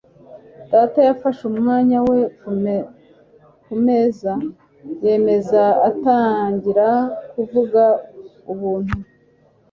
data yafashe umwanya we kumeza yameza atangira kuvuga ubuntu